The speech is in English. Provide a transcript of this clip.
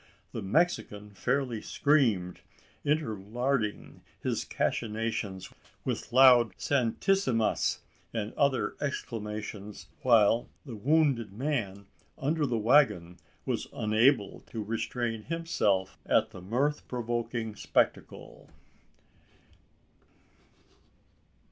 The Mexican fairly screamed, interlarding his cachinnations with loud "santissimas," and other Spanish exclamations; while even the wounded man under the waggon was unable to restrain himself at the mirth provoking spectacle.